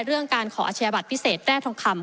เรื่องการขออาชญาบัตรพิเศษแร่ทองคำ